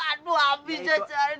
aduh habis ya chan